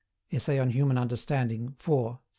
Essay on Human Understanding, IV. iii.